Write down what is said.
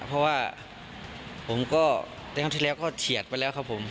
เพราะว่าเดินทางที่เราก็เฉียดไปแล้วครับผม